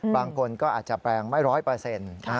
บางคนก็อาจจะแปลงไม่ร้อยเปอร์เซ็นต์